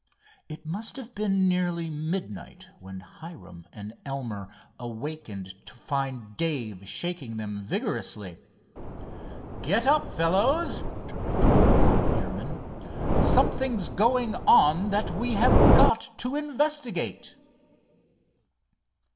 It must have been nearly midnight when Hiram and Elmer awakened to find Dave shaking them vigorously. "Get up, fellows," directed the young airman. "Something's going on that we have got to investigate."